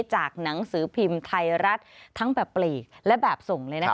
จากหนังสือพิมพ์ไทยรัฐทั้งแบบปลีกและแบบส่งเลยนะคะ